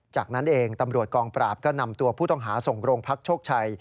จากนั้นเองตำรวจกองปราบก็นำตัวผู้ต้องหาส่งโรงพักโชคชัย